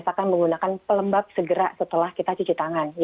kita akan menggunakan pelembab segera setelah kita cuci tangan